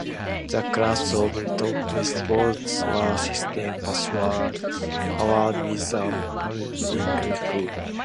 The class of torpedo boats were steam powered with a partially enclosed hull.